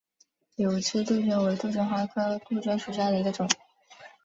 瘤枝杜鹃为杜鹃花科杜鹃属下的一个种。